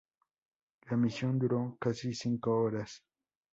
La misión duró casi cinco horas.